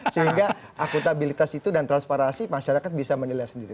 sehingga akuntabilitas itu dan transparansi masyarakat bisa menilai sendiri